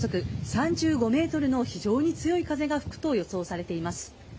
３５メートルの非常に強い風が吹くと予想されています。